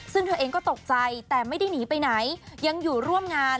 ซึ่งเธอเองก็ตกใจแต่ไม่ได้หนีไปไหนยังอยู่ร่วมงาน